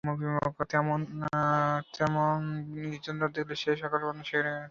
তেমন নির্জন দেখিলে সে সকালে সন্ধ্যায় শেখরের ঘরের মধ্যে গিয়াও বসিত।